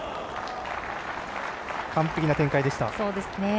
完璧な展開でした。